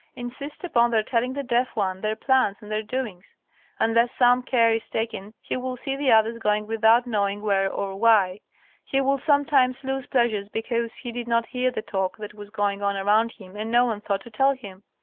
Insist upon their telling the deaf one their plans and their doings. Unless some care is taken he will see the others going without knowing where or why, he will sometimes lose pleasures because he did not hear the talk that was going on around him and no one thought to tell him.